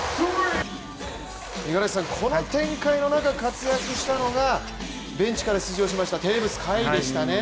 五十嵐さん、この展開の中活躍したのがベンチから出場しましたテーブス海でしたね。